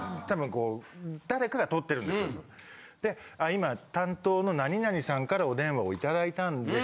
「今担当の○○さんからお電話をいただいたんです。